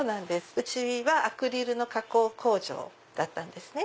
うちはアクリルの加工工場だったんですね。